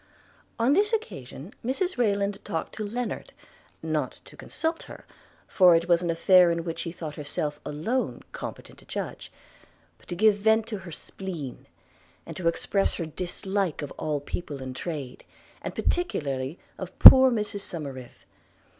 On this occasion Mrs Rayland talked to Lennard – not to consult her, for it was an affair in which she thought herself alone competent to judge – but to give vent to her spleen, and to express her dislike of all people in trade, and particularly of poor Mrs Somerive.